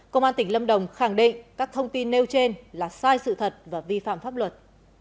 công an tỉnh lâm đồng khẳng định các thông tin nêu trên là sai sự thật và vi phạm pháp luật